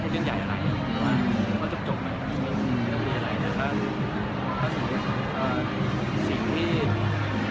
หรือว่าพอจบไม่ต้องมีอะไรสิ่งที่คนไม่ชอบหรือไม่สบายใจอะไรอย่างนั้นก็ต้องคุยกับคนที่ถามให้เขาไม่สบายค่ะ